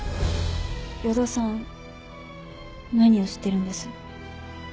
与田さん何を知ってるんです？